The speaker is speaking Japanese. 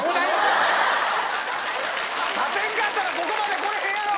立てんかったらここまで来れへんやろ！